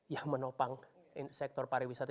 yang menopang sektor para wisata